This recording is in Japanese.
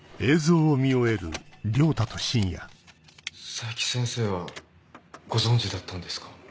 冴木先生はご存じだったんですか？